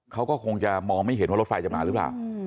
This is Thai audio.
เขาก็คงจะมองไม่เห็นว่ารถไฟจะมาหรือเปล่า